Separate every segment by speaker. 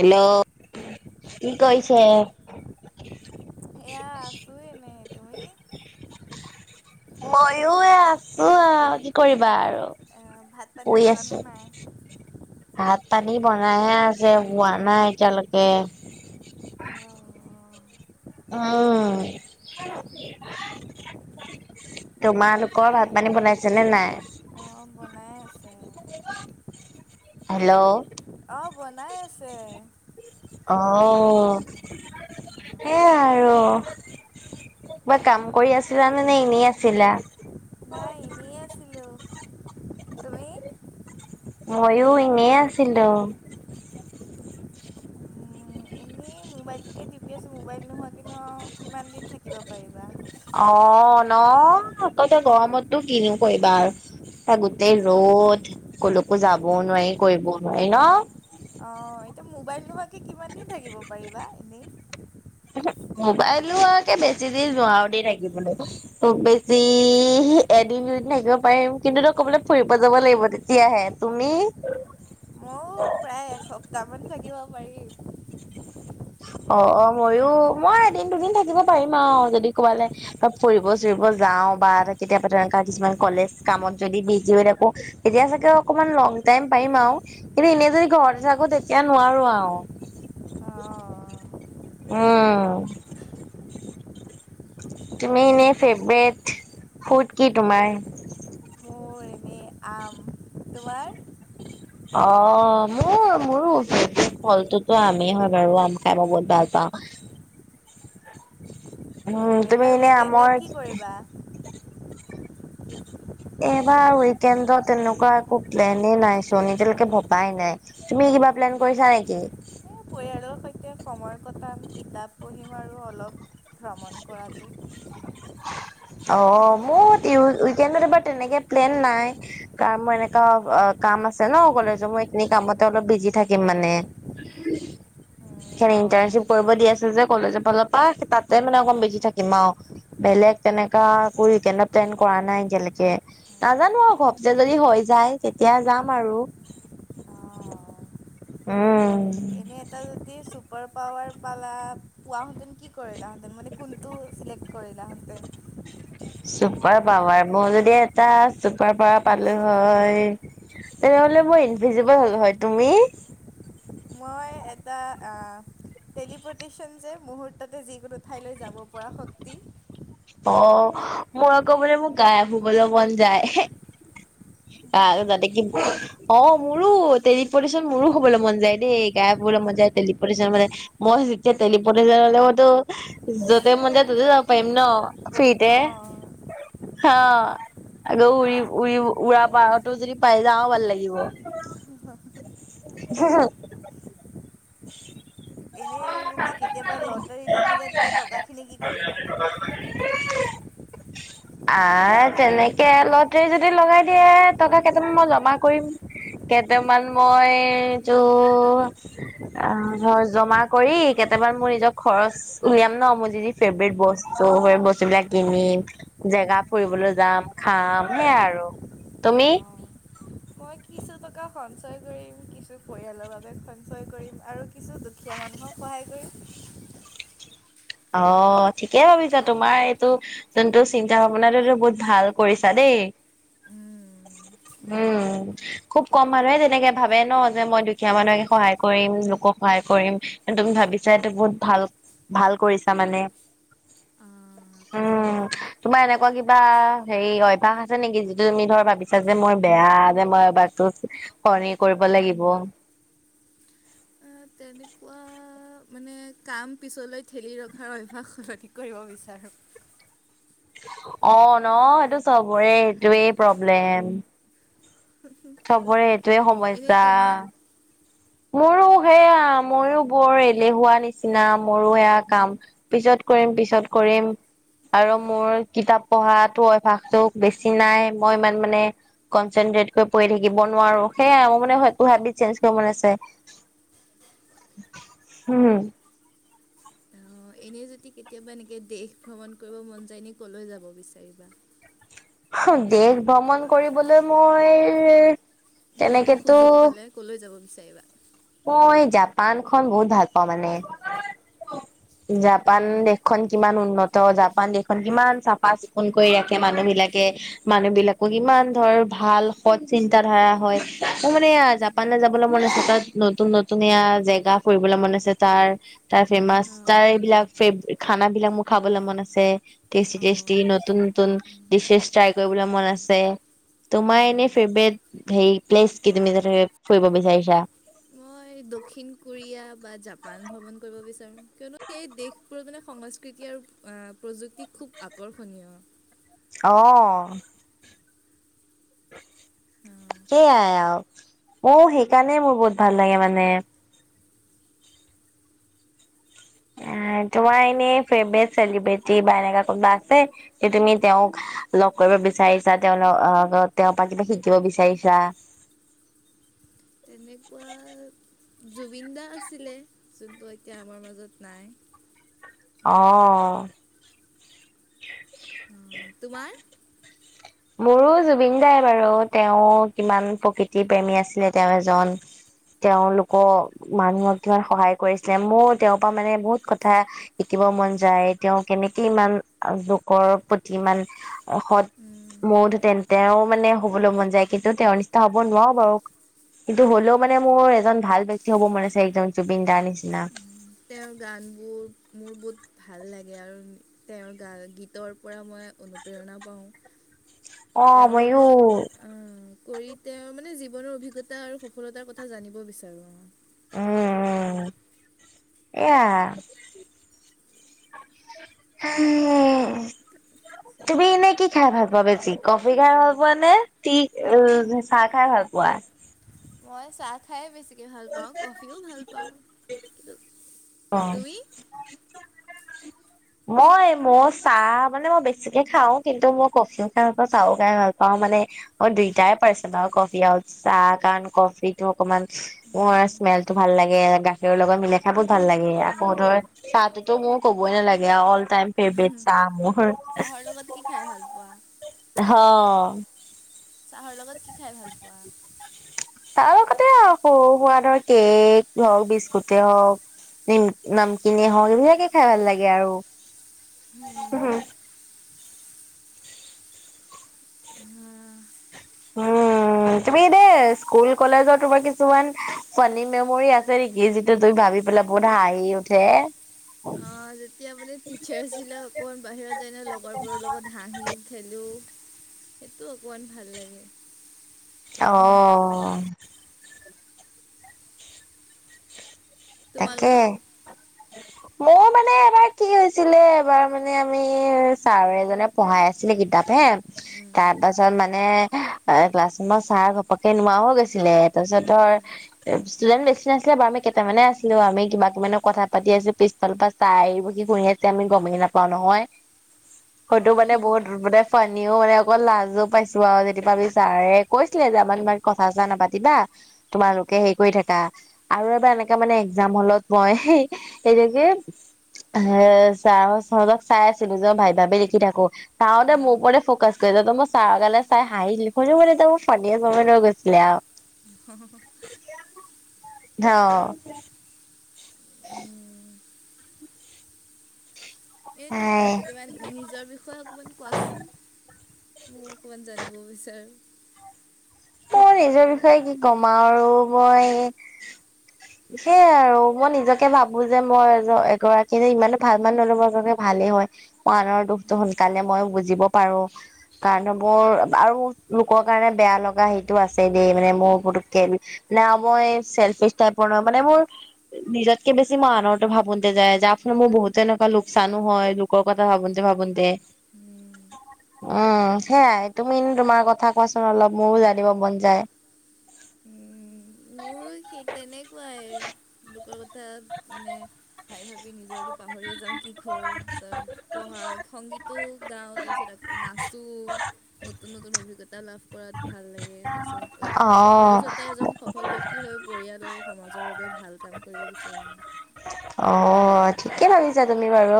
Speaker 1: Hello কি কৰিছে?
Speaker 2: এয়া আছো ইনে।
Speaker 1: ময়ো এ আছো আহ কি কৰিবা আৰু
Speaker 2: এ ভাত পানী
Speaker 1: শুই
Speaker 2: খালানে
Speaker 1: আছো।
Speaker 2: নাই?
Speaker 1: ভাত পানী বনাইহে আছে হোৱা নাই এতিয়ালৈকে।
Speaker 2: অ
Speaker 1: অ তোমালোকৰ ভাত পানী বনাইছে নে নাই?
Speaker 2: অঁ বনাই আছে।
Speaker 1: হেল্ল'
Speaker 2: আহ বনাই আছে।
Speaker 1: অ সেইয়াই আৰু কিবা কাম কৰি আছিলানে নে এনেই আছিলা?
Speaker 2: নাই এনেই আছিলোঁ তুমি?
Speaker 1: মইয়ো ইনেই আছিলোঁ।
Speaker 2: এই মোবাইলটোকে টিপি আছিলোঁ মোবাইল নোহোৱা কেনো আৰু কিমান দিন থাকিব পাৰিবা।
Speaker 1: অ ন আকৌ এতিয়া গৰমততো কিনো কৰিবা আৰু এ গোটেই ৰ'দ কলৈকো যাবও নোৱাৰি কৰিবও নোৱাৰি ন?
Speaker 2: অ এতিয়া মোবাইল নোহোৱাকে কিমান দিন থাকিব পাৰিবা এনেই
Speaker 1: মোবাইল নোহোৱাকে বেছি দিন নোৱাৰো দেই থাকিবলৈ। খুব বেছি এদিন দুদিন থাকিব পাৰিম কিন্তু কবালে ফুৰিব যাব লাগিব তেতিয়াহে। তুমি?
Speaker 2: ময়ো প্ৰায় এসপ্তাহ মান থাকিব পাৰিম।
Speaker 1: অ অ ময়ো মই এদিন দুদিন থাকিব পাৰিম আৰু যদি কবালে ফুৰিব চুৰিব যাওঁ বা কেতিয়াবা তেনেকুৱা কিছুমান কলেজ কামত যদি বিজি হৈ থাকো। তেতিয়া চাগে অকমান লং টাইম পাৰিম আৰু কিন্তু এনে যদি ঘৰতে থাকো তেতিয়া নোৱাৰো আৰু।
Speaker 2: অঁ
Speaker 1: উম তুমি এনেই ফেভৰেট ফুড কি তোমাৰ‌?
Speaker 2: নে আম তোমাৰ?
Speaker 1: অ মোৰ মোৰো ফলটোতো আমেই হয় বাৰু আম খাই মই বহুত ভাল পাওঁ। উম,
Speaker 2: অ
Speaker 1: তুমি
Speaker 2: এইবাৰ
Speaker 1: এনে আমৰ
Speaker 2: উইকেণ্ডত কি কৰিবা?
Speaker 1: [unintelligible] এইবাৰ উইকেণ্ডত তেনেকুৱা একো প্লেনে নাইচোন এতিয়ালৈকে ভবাই নাই। তুমি কিবা প্লেন কৰিছা নেকি?
Speaker 2: এই পৰিয়ালৰ সৈতে সময় কটাম কিতাপ পঢ়িম আৰু অলপ ভ্ৰমণ কৰাটো।
Speaker 1: অ মোৰ উইকেণ্ডত এবাৰ তেনেকে প্লেন নাই। কাম এনেকা কাম আছে ন কলেজৰ মই এইখিনি কামতে অলপ বিজি থাকিম মানে।
Speaker 2: [inaudible]
Speaker 1: সে
Speaker 2: অ',
Speaker 1: ইণ্টাৰ্নশ্বিপ কৰিব দি আছোঁ যে কলেজৰ পৰা অলপ- প তাতে মানে অকন বেছি থাকিম আৰু বেলেগ- তেনেকা কৰি উইকেণ্ডত প্লেন কৰা নাই এতিয়ালৈকে। নাজানো আৰু ঘপ যে যদি হৈ যায় তেতিয়া যাম আৰু।
Speaker 2: অ'।
Speaker 1: উম।
Speaker 2: এনে এটা জাতি চুপ- ছুপাৰ পাৱাৰ পালা পোৱাহেঁতেন কি কৰিলাহেঁতেন মানে কোনটো চিলেক্ট কৰিলাহেঁতেন?
Speaker 1: চুপাৰ পাৱাৰ মই যদি এটা চুপাৰ পাৱাৰ পালো হয়- তেনেহ'লে মই ইনভিজিবল হ'ল হয়, তুমি?
Speaker 2: মই এটা আ- টেলিপটিচন যে মুহুৰ্ততে যিকোনো ঠাইলৈ যাব পৰা শক্তি।
Speaker 1: অ মই আকৌ মোলে মোক গাই ধুবলে মন যায়। [unintelligible] অ মোৰো তেলিপডিশন মোৰো হবলৈ মন যায় দেই গায়েপ শুবলৈ মন যায় তেলিপডিশন হ'বলে। মই যেতিয়া তেলিপডিশন মই ত য'তে মন যায় ততে যাব পাৰিম ন। ফ্ৰীতে
Speaker 2: অ',
Speaker 1: হা। আকৌ উৰি উৰি উৰা পাৱাৰটো যদি পাই যাওঁ ভাল লাগিব। হা হা।
Speaker 2: এনে যদি কেতিয়াবা লটাৰী লাগি যায় তেতিয়া টকাখিনি কি কৰিবা? [inaudible]
Speaker 1: আ তেনেকে লটাৰী যদি লগাই দিয়ে টকা কেইটামান মই জমা কৰিম। কেইটামান মই তোৰ- অ ধৰ জমা কৰি কেইটামান মোৰ নিজৰ খৰচ- উলিয়াম ন মই যি যি ফেভেৰেট বস্তু সেই বস্তুবিলাক কিনিম। জেগা ফুৰিবলৈ যাম খাম সেয়াই আৰু, তুমি?
Speaker 2: অ'। মই কিছু টকা সঞ্চয় কৰিম কিছু পৰিয়ালৰ বাবে সঞ্চয় কৰিম আৰু কিছু- দুুখীয়া মানুহক সহায় কৰিম।
Speaker 1: অ ঠিকেই ভাবিছা তোমাৰ এইটো- যোন তো চিন্তা ভাৱনাটো তো বহুত ভাল কৰিছা দেই।
Speaker 2: উম।
Speaker 1: উম। খুব কম মানুহে তেনেকে ভাবে ন যে মই দুখীয়া মানুহে সহায় কৰিম লোকক সহায় কৰিম। তুমি ভাবিছা এইটো বহুত ভাল ভাল কৰিছা মানে।
Speaker 2: অঁ'
Speaker 1: উম। তোমাৰ এনেকুৱা কিবা হেৰি অভ্যাস আছে নেকি যিটো তুমি ধৰ ভাবিছা যে মই বেয়া যে মই- সলনি কৰিব লাগিব।
Speaker 2: তেনেকুৱা মানে কাম পিছলৈ ঠেলি ৰখাৰ অভ্যাস সলধিক কৰিব বিচাৰোঁ।
Speaker 1: অ ন সেইটো চবৰে এইটোৱেই প্ৰব্লেম চবৰে এইটোয়ে
Speaker 2: এনেই
Speaker 1: সমস্যা
Speaker 2: তোমাৰ
Speaker 1: মোৰো সেয়া ময়ো বৰ এলেহুৱা নিচিনা মোৰো সেয়া কাম পিছত কৰিম পিছত কৰিম আৰু মোৰ কিতাপ পঢ়া অভ্যাসতটো বেছি নাই মই ইমান মানে কনচেনট্ৰেট কৰি পঢ়ি থাকিব নোৱাৰো সেয়া মানে হাবি চেঞ্জ কৰিব মন আছে উম
Speaker 2: অ এনেই যদি কেতিয়াবা এনেকৈ দেশ ভ্ৰমণ কৰিব মন যায় এনে ক'লৈ যাব বিচাৰিবা
Speaker 1: দেশ ভ্ৰমণ কৰিবলৈ মই
Speaker 2: মানে এনেকৈ
Speaker 1: তেনেকেতো
Speaker 2: সুযোগ পালে কলৈ যাব বিচাৰিবা
Speaker 1: মই জাপান খন বহুত ভাল পাওঁ মানে
Speaker 2: [unintelligible]
Speaker 1: জাপান
Speaker 2: উম
Speaker 1: দেশখন কিমান উন্নত জাপান দেশখন কিমান চাফা চিকুণ কৰি ৰাখে মানুহ বিলাকে মানুহ বিলাকক ইমান ধৰ ভাল সৎ চিন্ত ধাৰা হয় মোৰ মানে পানে যাবলৈ মন আছে তাত নতুন নতুন এয়া জেগা ফুৰিবলৈ মন আছে তাৰ তাৰ ফেমাচ তাৰ
Speaker 2: অঁ
Speaker 1: এইবিলাক ফে খানাবিলাক মোৰ খাবলৈ মন আছে টেষ্টি
Speaker 2: অঁ
Speaker 1: টেষ্টি নতুন নতুন ডিচেছ চেছ ট্ৰাই কৰিবলৈ মন আছে তোমাৰ এনে
Speaker 2: অঁ
Speaker 1: ফেভৰেট হে প্লেচ কি তুমি যা ফুৰিব বিচাৰিছা
Speaker 2: মই দক্ষিণ কোৰিয়া বা জাপান ভ্ৰমণ কৰিব বিচাৰোঁ কিয়নো সেই দেশবোৰত মানে সংস্কৃতি আৰু- প্ৰযুক্তি খুব আকৰ্ষণীয়-
Speaker 1: অ-
Speaker 2: অঁ,
Speaker 1: সেইয়াই আৰু অ সেইকাৰণে মোৰ বহুত ভাল লাগে মানে। এ তোমাৰ এনেই ফেব্ৰেত চেলিব্ৰেটি বা এনেকুৱা কোনোবা আছে? কি তুমি তেওঁক লগ কৰিব বিচাৰিছা তেওঁ তেওঁৰ পৰা কিবা শিকিব বিচাৰিছা।
Speaker 2: তেনেকুৱা জুবিন দা আছিলে যোনটো এতিয়া আমাৰ মাজত নাই।
Speaker 1: অ।
Speaker 2: অঁ, তোমাৰ-
Speaker 1: মোৰো জুবিন দাই বাৰু তেওঁ কিমান প্ৰকৃতি প্ৰেমী আছিলে তেওঁ এজন- তেওঁলোকৰ মানুহক কিমান সহায় কৰিছিলে মোৰ তেওঁৰ পৰা মানে বহুত কথা- শিকিব মন যায় তেওঁ কেনেকে ইমান লোকৰ প্ৰতি ইমান সৎ-
Speaker 2: উম,
Speaker 1: মোৰতো তেন্তে তেওঁ মানে হ'বলৈ মন যায় কিন্তু তেওঁৰ নিচিনা হ'ব নোৱাৰো বাৰু- কিন্তু হ'লেও মানে মোৰ এজন ভাল ব্যক্তি হ'ব মন আছে একদম জুবিন দাৰ নিচিনা।
Speaker 2: তেওঁৰ গানবোৰ মোৰ বহুত ভাল লাগে আৰু- তেওঁৰ গা গীতৰ পৰা মই অনুপ্ৰেৰণা পাওঁ-
Speaker 1: অ',
Speaker 2: তেওঁৰ
Speaker 1: ময়ো
Speaker 2: লগত- অ কৰি তেওঁ মানে জীৱনৰ অভিজ্ঞতা আৰু সফলতাৰ কথা জানিব বিচাৰো অ-
Speaker 1: উম,
Speaker 2: তেওঁদৰে-
Speaker 1: উম, এয়া- [unintelligible] তুমি এনেই কি খাই ভাল পোৱা বেছি কফি খাই ভাল পোৱা নে টি উম চাহ খাই ভাল পোৱা?
Speaker 2: মই চাহ- খাই বেছিকে ভাল পাওঁ কফিও ভাল পাওঁ কিন্তু
Speaker 1: অ'।
Speaker 2: তুমি- [unintelligible]
Speaker 1: মই মোৰ চাহ মানে মই বেছিকে খাওঁ কিন্তু মই কফিও খাই ভাল পাওঁ চাহও খাই ভাল পাওঁ মানে। অ দুইটাই পাইছে বাৰু কফি আও চাহ কাৰণ কফি টো অকমান- মোৰ স্মেলতো ভাল লাগে গাখীৰ লগত মিলাই খাই বহত ভাল লাগে আকৌ
Speaker 2: উম।
Speaker 1: ধৰ চাহটোতো মোৰ ক'বই নালাগে অল টাইম ফেভাৰেট চাহ মোৰ
Speaker 2: চাহৰ লগত কি খাই ভাল পোৱা
Speaker 1: হ।
Speaker 2: চাহৰ লগত কি খাই ভাল পোৱা?
Speaker 1: তাৰ লগতে আৰু সৰু সুৰা ধৰ কেক হওক বিস্কুটে হওক, নামকিনে হওক এইবিলাকে খাই ভাল লাগে আৰু।
Speaker 2: হোম।
Speaker 1: উম তুমি এনেই স্কুল কলেজৰ তোমাৰ কিছুমান ফানী মেমৰি আছে নেকি যিটো তুমি ভাবি পেলাই বহুত হাঁহি উঠে?
Speaker 2: অঁ যেতিয়া মানে টিচাৰ্ছ বিলাক অকমান বাহিৰত যায় ন লগৰবোৰৰ লগত হাঁহো খেলো সেইটো অকণমান ভাল লাগে।
Speaker 1: অঁহহ। তাকে।
Speaker 2: তোমালোকৰ [inaudible]
Speaker 1: মোৰ মানে এবাৰ কি হৈছিলে এবাৰ মানে আমি ছাৰ এজনে পঢ়াই আছিলে কিতাপহে তাৰপা ছত মানে এ ক্লাছ ৰুমৰ ছাৰ ঘপকে নোহোৱা গৈছিলে তাৰপিছত ধৰ ষ্টুডেণ্ট বেছি নাছিলে বাৰু আমি কেইটামানে আছি লো আমি কিবা কিবি কথা পাতি আছো পিছ ফালৰ পৰা ছাৰ আহি শুনি আছে আমি গমেই নাপাও নহয়।
Speaker 2: [inaudible]
Speaker 1: সেইটো মানে বহুত মানে ফানীও মানে অকৌ লাজো পাইছো আৰু যেতিয়া আমি ছাৰে কৈছিলে যে আমাক ইমান কথা চথা নাপাতিবা তোমালোকে হেৰি কৰি থাকা আৰু এবাৰ এনেকা মানে একজাম হলত মই সেইটোকে এ ছাৰ হঁতক চাই আছিলো যে ভাবি ভাবি লিখি থাকো। ছাৰ হঁতে মোৰ ওপৰতে ফকাচ কৰিছে ত' মোৰ ছাৰৰ তালে চাই হাঁহি দিলো কৈছে মোক ফানীয়ে কৰিব লৈ ছিলে আও
Speaker 2: হ হ।
Speaker 1: অঁ।
Speaker 2: এ তুমি
Speaker 1: আই
Speaker 2: কেতিয়াবা নিজৰ বি ষয়ে অকণমান কোৱাচোন মই অকণমান জানিব বিচাৰোঁ।
Speaker 1: মই নিজৰ বিষয়ে কি কম আৰু মই
Speaker 2: [inaudible]
Speaker 1: সেয়াই আৰু মই নিজকে ভাবো যে মই এগৰাকী যে ইমানো ভাল মানুহৰ বাবে যে ভালেই হয়। আনৰ দুখটো সোনকালে মই বুজিব পাৰো। কাৰণ আৰু লোকৰ কাৰণে বেয়া ল গা সেইটো আছে দেই মানে মোৰ পুটুকে না মই চেলফিছ টাইপৰ নহয় মানে মোৰ নিজতকে বেছি মই আনৰতো ভাবোতে যায় যাৰ ফলত মোৰ বহুত এনেকুৱা লোকচানো হয়। লোকৰ কথা ভাবোতে ভাবোতে।
Speaker 2: উম।
Speaker 1: উম সেয়াই তুমি তোমাৰ কথা কোৱাচোন অলপ মোৰো জানিব মন যায়
Speaker 2: উম, মোৰো সেই তেনেকুৱাই লোকৰ ক থাত মানে ভাবি ভাবি নিজৰটো পাহৰিয়ে যাওঁ কি কৰোঁ পাছত। পঢ়া, সংগীতো গাও তাৰপিছত আকৌ নাচো। নতুন নতুন অভিজ্ঞতা লাভ কৰাত ভাল লাগে তাৰপিছত
Speaker 1: অ',
Speaker 2: ভৱিষ্যতে এজন সফল বক্তি হৈ পৰিয়াল আৰু সমাজৰ বাবে ভাল কাম কৰিব বিচাৰোঁ
Speaker 1: অ' ঠিকে ভাবিছা তুমি বাৰু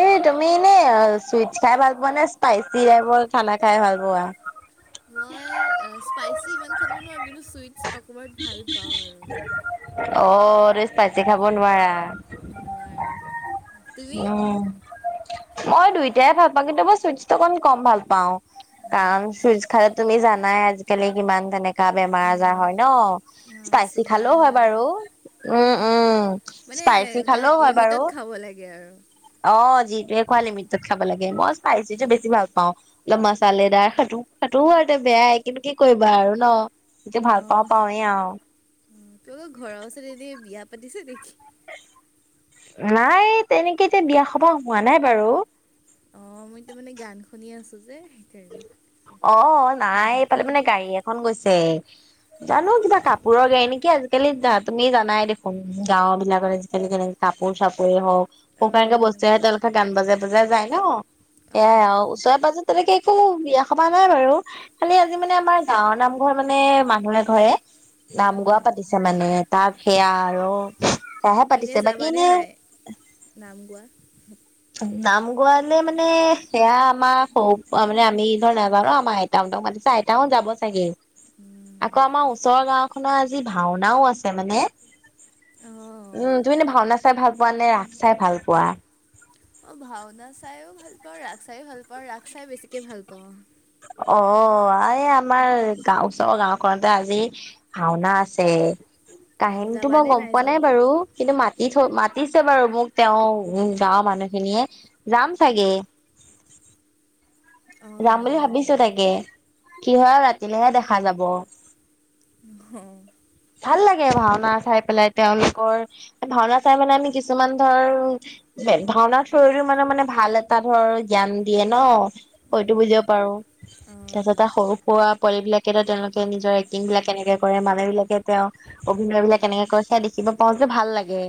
Speaker 1: এই তুমি নে ছুইটচ খাই ভাল পোৱা নে স্পাইচি টাইপৰ খানা খাই ভাল পোৱা?
Speaker 2: মই স্পাইচি ইমান খাব নোৱাৰোঁ কিন্তু ছুইটচ অকণমান ভাল পাওঁ আৰু
Speaker 1: অ' তুমি স্পাইচি খাব নোৱাৰা?
Speaker 2: উম নোৱাৰো।
Speaker 1: উম মই দুইটাই ভাল পাওঁ কিন্তু মই ছুইচটো অকণমান কম ভাল পাওঁ।
Speaker 2: উম,
Speaker 1: কাৰণ ছুইটছ খালে তুমি জানাই আজিকালি কিমান তেনেকে গা বেমাৰ আজাৰ হয় ন' স্পাইচি খালেও হয় বাৰু। উম উম।
Speaker 2: মানে
Speaker 1: স্পাইচি
Speaker 2: এনেকুৱা
Speaker 1: খালেও হয় বাৰু
Speaker 2: লিমিটত খাব লাগে আৰু
Speaker 1: অ যিটোৱে খোৱা লিমিটত খাব লাগে মই স্পাইচিটো বেছি ভাল পাওঁ। অলপ মাচালেদাৰ সেইটো-সেইটো আৰু বেয়াই কিন্তু কি কৰিবা আৰু ন' যিটো
Speaker 2: অ
Speaker 1: ভাল পাওঁ পাওঁৱেই আও।
Speaker 2: উম তোমালোকৰ ঘৰৰ ওচৰত এনে বিয়া পাতিছে নেকি?
Speaker 1: নাই তেনেকে এতিয়া বিয়া সবাহ হোৱা নাই বাৰু।
Speaker 2: অ মই তাৰ মানে গান শুনি আছো যে সেইকাৰণে। আচ্ছা।
Speaker 1: অ নাই এইফালে মানে গাড়ী এখন গৈছে জানো কিবা কাপোৰৰ গাড়ী নেকি আজি আজি কালি তুমি জানাই দেখোন গাঁও বিলাকত আজিকালি কেনেকে কাপোৰ চাপোৰেই হওক [unintelligible]
Speaker 2: অঁ
Speaker 1: বস্তু আহে তেওঁলোকে গান বজাই বজাই যায় ন সেয়াই
Speaker 2: অঁ
Speaker 1: আৰু ওচৰে পাজৰে তেনেকে একো বিয়া সভা নাই বাৰু খালি আজি মানে আমাৰ গাঁৱৰ নামঘৰ মানে মানুহ এঘৰে নাম গোৱা
Speaker 2: অঁ
Speaker 1: পাতিছে মানে তাৰ সেয়া আৰু সেয়াহে
Speaker 2: এনেই
Speaker 1: পাতিছে বাকী
Speaker 2: যাবানে
Speaker 1: এনেই
Speaker 2: নাই নাম গোৱা
Speaker 1: নাম গোৱালে মানে সেয়া আমাৰ সৰু পৰা মানে আমি ধৰ নাজানো আমাৰ আই আইতাহঁতক মাতিছে আইতাহঁত যাব চাগে।
Speaker 2: উম,
Speaker 1: আকৌ আমাৰ ওচৰৰ গাঁও খনৰ আজি ভাওনাও আছে মানে।
Speaker 2: অঁ
Speaker 1: উম তুমি এনে ভাওনা চাই ভাল পোৱা নে ৰাস চাই ভাল পোৱা?
Speaker 2: অ ভাওনা চাইও ভাল পাওঁ ৰাস চাইও ভাল পাওঁ ৰাস চাই বেছিকে ভাল পাওঁ।
Speaker 1: অ এই আমাৰ গাওঁ ওচৰৰ গাওখনতে আজি ভাওনা আছে।
Speaker 2: অঁ
Speaker 1: কাহিনীটো মই
Speaker 2: যাবানে
Speaker 1: গম পোৱা
Speaker 2: যাব
Speaker 1: নাই বাৰু কিন্তু মাতি থৈ মাতিছে বাৰু মোক তেওঁ গাঁৱৰ মানুহখিনিয়ে যাম চাগে। যাম বুলি
Speaker 2: অঁ
Speaker 1: ভাবিছো তাকে কি হয় আৰু ৰাতিলেহে দেখা যাব।
Speaker 2: অ,
Speaker 1: ভাল লাগে ভাওনা চাই পেলাই তেওঁলোকৰ ভাওনা চাই মানে আমি কিছুমান ধৰ ভাওনা থোৰেদিও মানে মানে ভাল এটা ধৰ জ্ঞান দিয়ে ন? সৈতো
Speaker 2: উম
Speaker 1: বুজিব পাৰো।
Speaker 2: অঁ
Speaker 1: তাৰপিছততে সৰু সুৰা পোৱালিবিলাকে তেওঁলোকে নিজৰ এক্টিং বিলাক কেনেকে কৰে মানুহ বিলাকে তেওঁ অভিনয়বিলাক কেনেকে
Speaker 2: উম
Speaker 1: কয় সেয়া দেখিব পাওঁ যে ভাল লাগে।